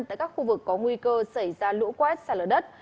tại các khu vực có nguy cơ xảy ra lũ quét sạt lở đất